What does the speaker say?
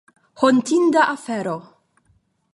Hontinda afero.